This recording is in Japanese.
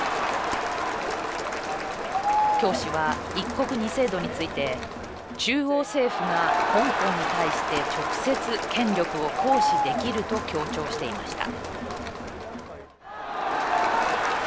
教師は、一国二制度について中央政府が香港に対して直接、権力を行使できると強調していました。